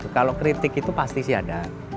kalau kritik itu pasti sih ada